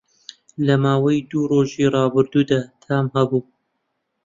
لە ماوەی دوو ڕۆژی ڕابردوودا تام هەبووه